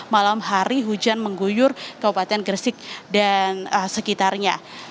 malam hari hujan mengguyur kabupaten gresik dan sekitarnya